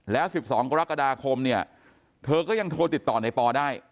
แล้ว๑๒กรกฎาคมเนี่ยเธอก็ยังโทรติดต่อในปอได้